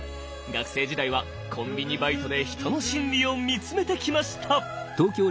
学生時代はコンビニバイトで人の心理を見つめてきました！